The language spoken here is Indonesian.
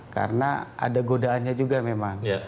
karena ada godaannya juga memang